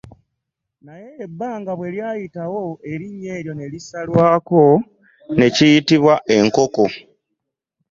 Naye ebbanga bwe lyaitawo erinnya eryo ne lisalwako ne kiyitibwa enkoko.